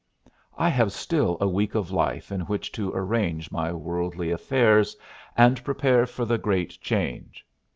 "I have still a week of life in which to arrange my worldly affairs and prepare for the great change.